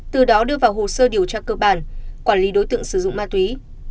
từ đó đưa vào hồ sơ điều tra cơ bản quản lý đối tượng sử dụng ma túy